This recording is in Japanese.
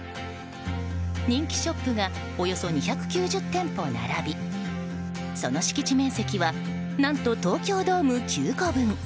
人気ショップがおよそ２９０店舗並びその敷地面積は何と東京ドーム９個分。